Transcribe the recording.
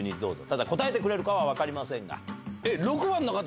ただ答えてくれるかは分かりませんが。